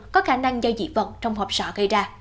có khả năng do dị vật trong hộp sọ gây ra